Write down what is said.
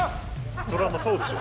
それはもうそうでしょ